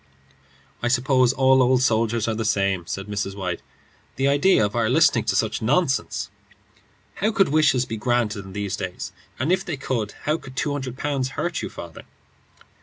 "I suppose all old soldiers are the same," said Mrs. White. "The idea of our listening to such nonsense! How could wishes be granted in these days? And if they could, how could two hundred pounds hurt you, father?"